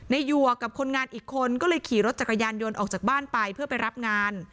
หยวกกับคนงานอีกคนก็เลยขี่รถจักรยานยนต์ออกจากบ้านไปเพื่อไปรับงาน